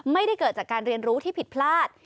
ไม่ได้เกิดจากการเรียนรู้ที่ผิดพลาด